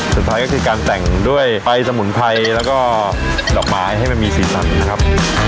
สุดท้ายก็คือการแต่งด้วยใบสมุนไพรแล้วก็ดอกไม้ให้มันมีสีสันนะครับ